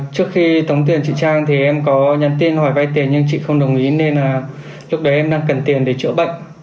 trước khi tống tiền chị trang thì em có nhắn tin hỏi vay tiền nhưng chị không đồng ý nên là lúc đấy em đang cần tiền để chữa bệnh